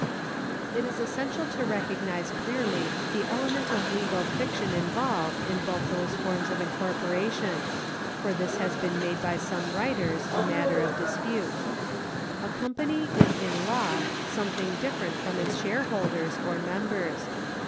^ It is essential to recognise clearly the element of legal fic tion involved in both those forms of incorporation, for this has been made by some writers a matter of dispute. A com pany is in law something different from its shareholders or members.